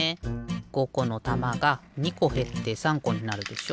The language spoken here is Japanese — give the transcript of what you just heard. ５このたまが２こへって３こになるでしょ。